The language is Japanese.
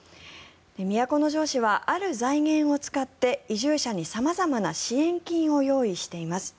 都城市は、ある財源を使って移住者に様々な支援金を用意しています。